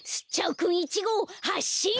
くん１ごうはっしん！